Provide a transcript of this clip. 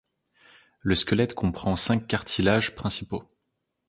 Le squelette comprend cinq cartilages principaux.